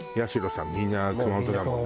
みんな熊本だもんね。